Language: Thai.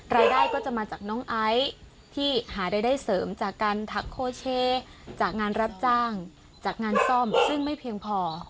รายได้ก็จะมาจากน้องไอซ์ที่หารายได้เสริมจากการทักโคเชจากงานรับจ้างจากงานซ่อมซึ่งไม่เพียงพอ